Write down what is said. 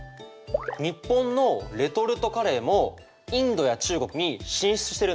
日本のレトルトカレーもインドや中国に進出してるんだって。